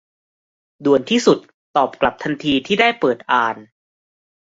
ด่วนที่สุด ตอบกลับทันทีที่ได้เปิดอ่าน